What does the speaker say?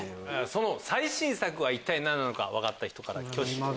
その最新作は一体何なのか分かった人から挙手。